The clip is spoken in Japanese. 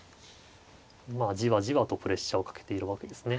じわじわとプレッシャーをかけているわけですね。